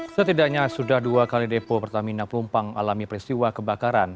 setidaknya sudah dua kali depo pertamina pelumpang alami peristiwa kebakaran